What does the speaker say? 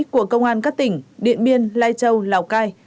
của công an các tỉnh điện biên lai châu lào cai